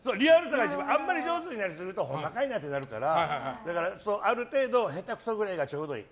あまり上手にやりすぎるとほんまかいなってなるからある程度へたくそぐらいがちょうどいい。